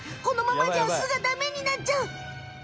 このままじゃ巣がダメになっちゃう。